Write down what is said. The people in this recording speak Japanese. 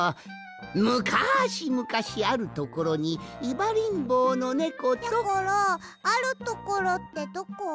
むかしむかしあるところにいばりんぼうのネコと。やころあるところってどこ？